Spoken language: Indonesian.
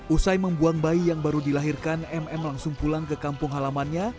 usai membuang bayi yang baru dilahirkan mm langsung pulang ke kampung halamannya